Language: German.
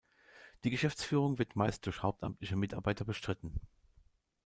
Die Geschäftsführung wird meist durch hauptamtliche Mitarbeiter bestritten.